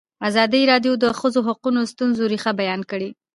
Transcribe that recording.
ازادي راډیو د د ښځو حقونه د ستونزو رېښه بیان کړې.